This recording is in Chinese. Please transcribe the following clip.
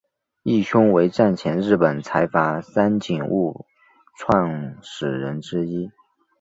义兄为战前日本财阀三井物产创始人之一。